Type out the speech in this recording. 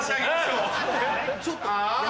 ちょっと。